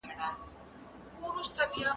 ولي ځيني هیوادونه بشري حقونه نه مني؟